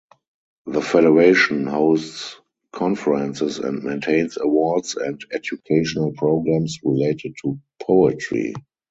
The federation hosts conferences and maintains awards and educational programs related to poetry.